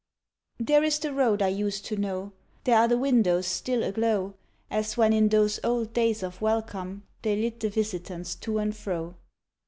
There is the road I used to know, There are the windows still aglow, As when in those old days of welcome They lit the visitants to and fro.